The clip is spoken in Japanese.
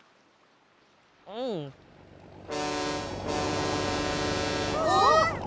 うん。あっ！